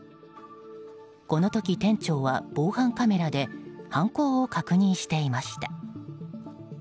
この時、店長は防犯カメラで犯行を確認していました。